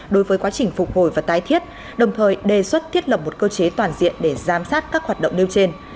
đối với quá trình phục hồi và tái thiết đồng thời đề xuất thiết lập một cơ chế toàn diện để giám sát các hoạt động nêu trên